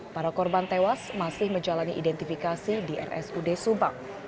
para korban tewas masih menjalani identifikasi di rsud subang